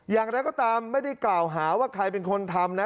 อย่างไรก็ตามไม่ได้กล่าวหาว่าใครเป็นคนทำนะ